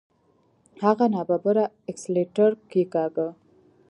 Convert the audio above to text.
هغه ناببره اکسلېټر کېکاږه.